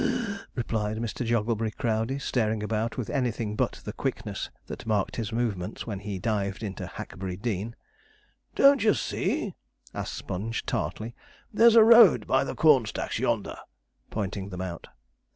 replied Mr. Jogglebury Crowdey, staring about with anything but the quickness that marked his movements when he dived into Hackberry Dean. 'Don't you see,' asked Sponge tartly, 'there's a road by the corn stacks yonder?' Pointing them out.